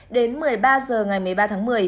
đến một mươi ba h ngày một mươi ba tháng một mươi